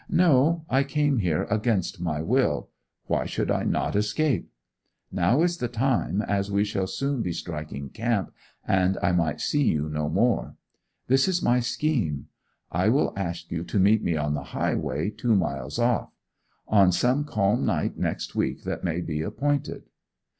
No; I came here against my will; why should I not escape? Now is the time, as we shall soon be striking camp, and I might see you no more. This is my scheme. I will ask you to meet me on the highway two miles off; on some calm night next week that may be appointed.